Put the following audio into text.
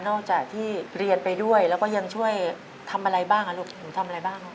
จากที่เรียนไปด้วยแล้วก็ยังช่วยทำอะไรบ้างลูกหนูทำอะไรบ้างลูก